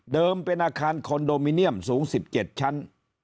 เป็นอาคารคอนโดมิเนียมสูง๑๗ชั้น